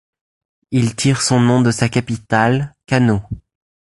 Il tire son nom de sa capitale, Kano.